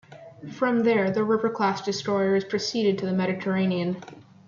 From there, the River-class destroyers proceeded to the Mediterranean.